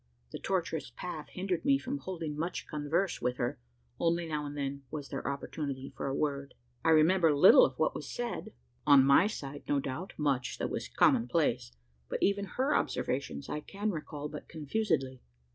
The tortuous path hindered me from holding much converse with her: only, now and then, was there opportunity for a word. I remember little of what was said on my side, no doubt, much that was commonplace; but even her observations I can recall but confusedly.